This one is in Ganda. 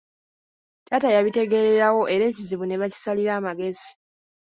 Taata yabitegeererawo era ekizibu ne bakisalira amagezi.